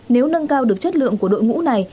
nếu nâng cao được chất lượng của đội ngũ này